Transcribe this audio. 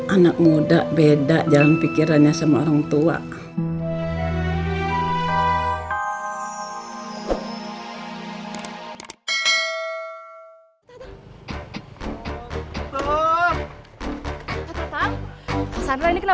anak muda beda jalan pikirannya sama orang tua